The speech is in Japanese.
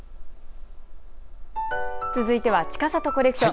続いてはちかさとコレクション。